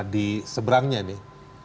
di seberangnya nih